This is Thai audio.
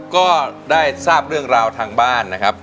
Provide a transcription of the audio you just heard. ก็ได้ทราบเรื่องราวทางบ้านนะครับ